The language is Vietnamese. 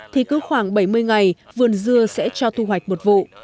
thì cứ khoảng bảy mươi ngày vườn dưa sẽ cho thu hoạch một vụ